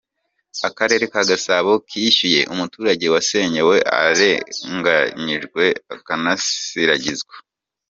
Akarere ka Gasabo kishyuye umuturage wasenyewe arenganyijwe akanasiragizwa.